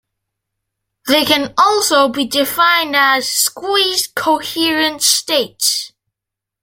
They can also be defined as squeezed coherent states.